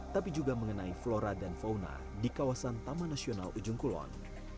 tapi juga mengenai flora dan fauna di kawasan taman nasional ujung kulon